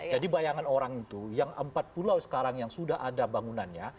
jadi bayangan orang itu yang empat pulau sekarang yang sudah ada bangunannya